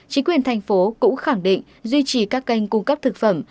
chính quyền thành phố cũng khẳng định duy trì các kênh cung cấp thực phẩm